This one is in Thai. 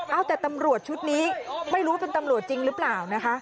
เอาแต่ตำรวจชุดนี้ไม่รู้เป็นตำรวจจริงหรือเปล่านะคะ